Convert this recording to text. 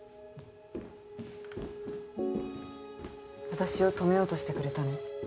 私を止めようとしてくれたの？